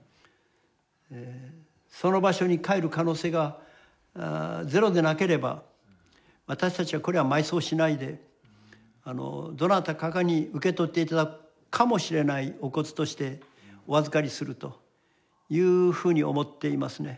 その場所に帰る可能性がゼロでなければ私たちはこれは埋葬しないでどなたかに受け取って頂くかもしれないお骨としてお預かりするというふうに思っていますね。